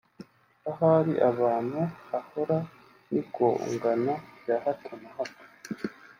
ahari abantu hahora n’igongana rya hato na hato